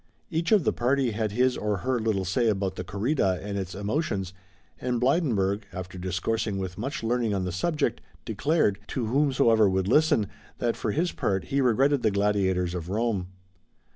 Each of the party had his or her little say about the corrida and its emotions, and Blydenburg, after discoursing with much learning on the subject, declared, to whomsoever would listen, that for his part he regretted the gladiators of Rome.